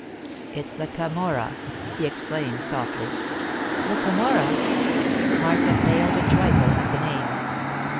'It's the Camorra!' he exclaimed softly. 'The Camorra?' Marcia paled a trifle at the name.